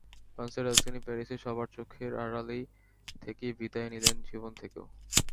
ফ্রান্সের রাজধানী প্যারিসে সবার চোখের আড়ালে থেকেই বিদায় নিলেন জীবন থেকেও।